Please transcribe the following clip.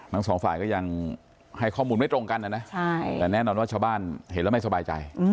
ทั้งสองฝ่ายก็ยังให้ข้อมูลไม่ตรงกันนะนะแต่แน่นอนว่าชาวบ้านเห็นแล้วไม่สบายใจ